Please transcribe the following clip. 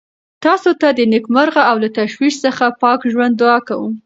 تاسو ته د نېکمرغه او له تشویش څخه پاک ژوند دعا کوم.